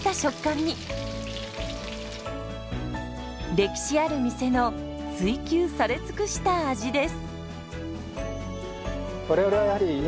歴史ある店の追求され尽くした味です。